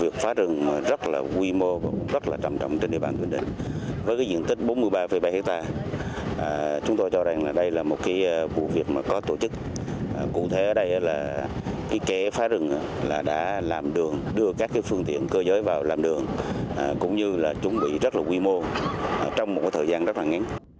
chúng tôi cho rằng đây là một vụ việc có tổ chức cụ thể ở đây là kế phá rừng đã làm đường đưa các phương tiện cơ giới vào làm đường cũng như chuẩn bị rất là quy mô trong một thời gian rất là ngắn